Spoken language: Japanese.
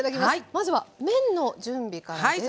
まずは麺の準備からです。